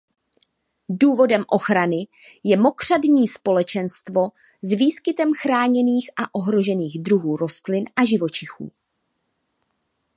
Důvodem ochrany je mokřadní společenstvo s výskytem chráněných a ohrožených druhů rostlin a živočichů.